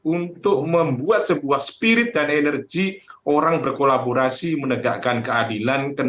untuk membuat sebuah spirit dan energi orang berkolaborasi menegakkan keadilan